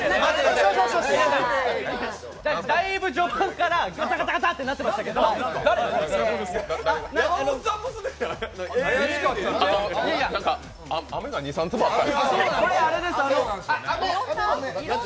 だいぶ序盤からガチャガチャなってましたけど雨が２３粒あった。